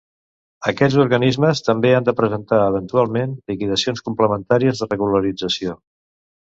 Aquests organismes també han de presentar, eventualment, liquidacions complementàries de regularització.